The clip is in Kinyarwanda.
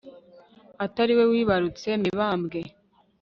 atari we wibarutse mibambwe